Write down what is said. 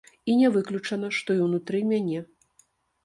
І не выключана, што і ўнутры мяне.